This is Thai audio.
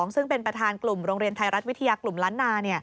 ซึ่งเป็นประธานกลุ่มโรงเรียนไทยรัฐวิทยากลุ่มล้านนา